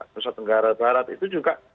di negara negara itu juga